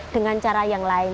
dengan cara yang lain